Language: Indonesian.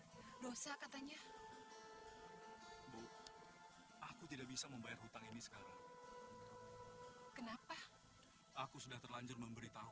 hai dosa katanya aku tidak bisa membayar hutang ini sekarang kenapa aku sudah terlanjur memberitahu